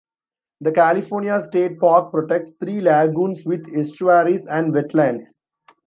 The California state park protects three lagoons with estuaries and wetlands.